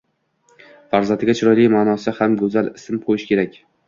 Farzandiga chiroyli, maʼnosi ham goʻzal ism qoʻyish kerak.